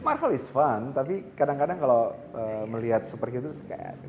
marvel is fun tapi kadang kadang kalau melihat super itu kayak